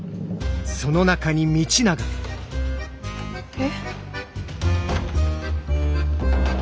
え？